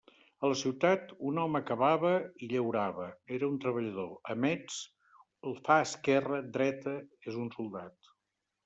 A la ciutat, un home cavava i llaurava: era un treballador; a Metz, fa «esquerra, dreta»: és un soldat.